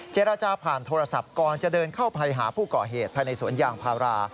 เจรจาผ่านโทรศัพท์ก่อนจะเดินเข้าไปหาผู้ก่อเหตุภายในสวนยางพารา